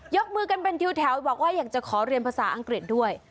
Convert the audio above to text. มือกันเป็นทิวแถวบอกว่าอยากจะขอเรียนภาษาอังกฤษด้วย